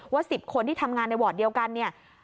๑๐คนที่ทำงานในวอร์ดเดียวกันเนี่ย